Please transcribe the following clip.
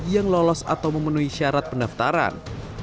yang lolos atau memenuhi syarat pendaftaran